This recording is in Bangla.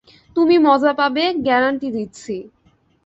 তুমি মজা পাবে, গ্যারান্টি দিচ্ছি।